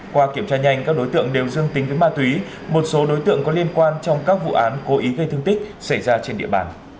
qua kiểm tra nhanh các đối tượng đều dương tính với ma túy một số đối tượng có liên quan trong các vụ án cố ý gây thương tích xảy ra trên địa bàn